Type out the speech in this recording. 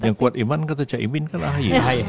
yang kuat iman kata cah imin kan ahaya ya